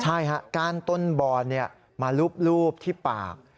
ใช่ครับการต้นบ่อนเนี่ยมารูปที่ปาก